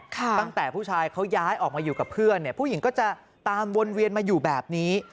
ตั้งแต่ผู้ชายเขาย้ายออกมาอยู่กับเพื่อนเนี่ยผู้หญิงก็จะตามวนเวียนมาอยู่แบบนี้